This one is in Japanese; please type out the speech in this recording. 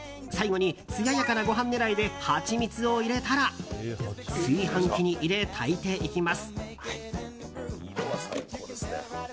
最後に、つややかなご飯狙いでハチミツを入れたら炊飯器に入れ、炊いていきます。